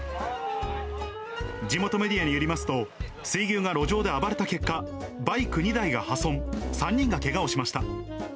地元メディアによりますと、水牛が路上で暴れた結果、バイク２台が破損、３人がけがをしました。